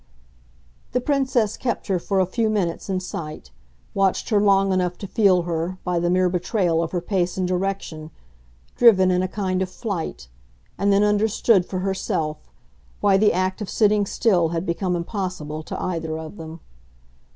The Princess kept her for a few minutes in sight, watched her long enough to feel her, by the mere betrayal of her pace and direction, driven in a kind of flight, and then understood, for herself, why the act of sitting still had become impossible to either of them.